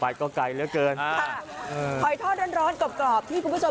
ยังไงล่ะ